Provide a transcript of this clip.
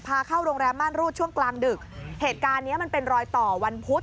เข้าโรงแรมม่านรูดช่วงกลางดึกเหตุการณ์เนี้ยมันเป็นรอยต่อวันพุธ